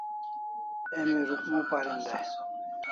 Emi Rukmu parin dai